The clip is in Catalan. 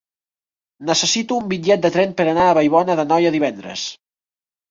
Necessito un bitllet de tren per anar a Vallbona d'Anoia divendres.